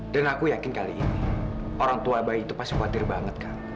dan aku yakin kali ini orang tua bayi itu pasti khawatir banget kak